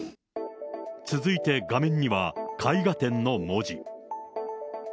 続いて画面には、絵画展の文字。